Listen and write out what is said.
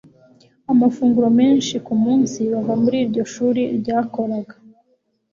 amafunguro menshi kumunsi bava muri iryo shuri ryakoraga